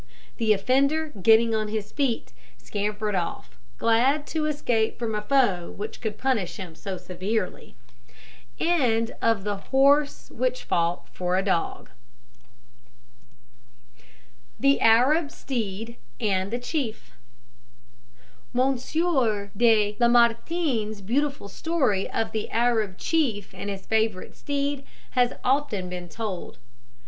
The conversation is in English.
The offender, getting on his feet, scampered off, glad to escape from a foe who could punish him so severely. THE ARAB STEED AND THE CHIEF. Monsieur De Lamartine's beautiful story of the Arab chief and his favourite steed has often been told.